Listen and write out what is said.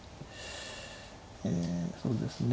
えそうですね